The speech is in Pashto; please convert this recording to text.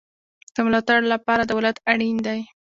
د ملاتړ لپاره دولت اړین دی